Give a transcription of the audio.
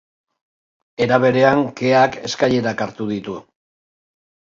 Era berean, keak eskailerak hartu ditu.